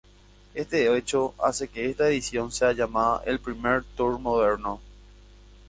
Este hecho hace que esta edición sea llamada el primer Tour moderno.